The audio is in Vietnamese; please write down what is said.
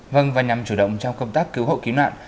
vâng và nhằm chủ động trong công tác cứu hộ cứu nạn